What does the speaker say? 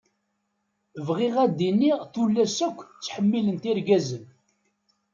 Bɣiɣ ad d-iniɣ tullas akk ttḥemmilent irgazen.